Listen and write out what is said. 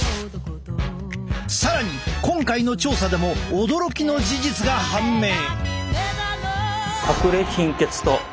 更に今回の調査でも驚きの事実が判明！